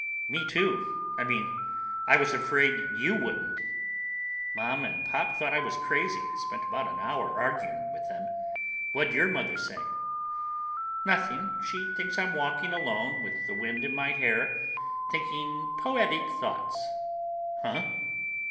"Me too. I mean I was afraid you wouldn't." "Mom and Pop thought I was crazy. I spent about an hour arguing with them. What'd your mother say?" "Nothing. She thinks I'm walking alone with the wind in my hair, thinking poetic thoughts." "Huh?